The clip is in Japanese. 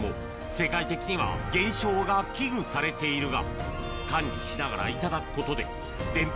世界的には減少が危惧されているが。